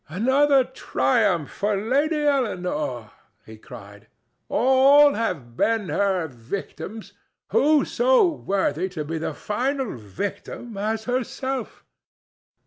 "Another triumph for the Lady Eleanore!" he cried. "All have been her victims; who so worthy to be the final victim as herself?"